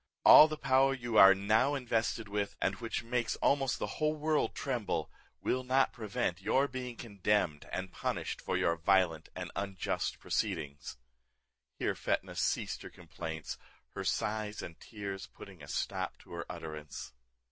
All the power you are now invested with, and which makes almost the whole world tremble, will not prevent your being condemned and punished for your violent and unjust proceedings." Here Fetnah ceased her complaints, her sighs and tears putting a stop to her utterance.